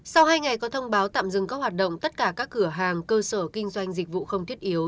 sau hai ngày có thông báo tạm dừng các hoạt động tất cả các cửa hàng cơ sở kinh doanh dịch vụ không thiết yếu